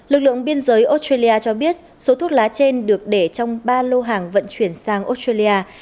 lực lượng biên giới australia cho biết số thuốc lá trên được để trong ba lô hàng vận chuyển sang australia